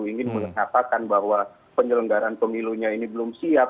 ingin mengatakan bahwa penyelenggaran pemilunya ini belum siap